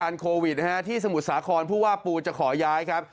โควิดนะฮะที่สมุทรสาครผู้ว่าปูจะขอย้ายครับ